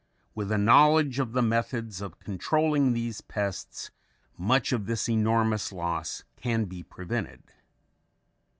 With a knowledge of the methods of controlling these pests much of this enormous loss can be prevented.